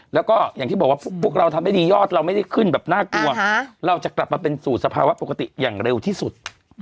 แล้วก็อย่างที่บอกว่าพวกเราทำให้ดียอดเราไม่ได้ขึ้นแบบน่ากลัวเราจะกลับมาเป็นสู่สภาวะปกติอย่างเร็วที่สุด